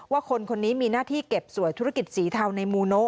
คนคนนี้มีหน้าที่เก็บสวยธุรกิจสีเทาในมูโน